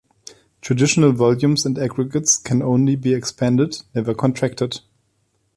Traditional volumes and aggregates can only be expanded, never contracted.